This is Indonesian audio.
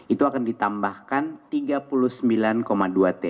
itu akan ditambahkan tiga puluh sembilan dua t